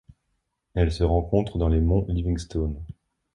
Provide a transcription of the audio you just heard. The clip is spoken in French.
Elle se rencontre dans les monts Livingstone.